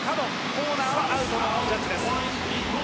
コーナーはアウトのジャッジです。